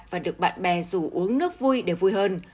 và được bạn bè rủ uống nước vui đều vui hơn